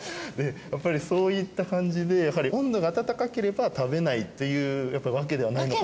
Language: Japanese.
やっぱりそういった感じで温度が温かければ食べないっていうわけではないのかな。